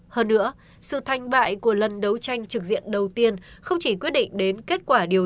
hơn nữa sự thành bại của lần đấu tranh trực diện đầu tiên không chỉ quyết định đến kết quả điều